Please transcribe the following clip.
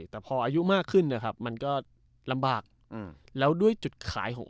แต่พออายุมากขึ้นนะครับมันก็ลำบากแล้วด้วยจุดขายของ